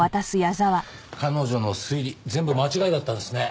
彼女の推理全部間違いだったんですね。